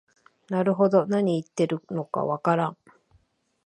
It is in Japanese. なるほど、なに言ってるのかわからん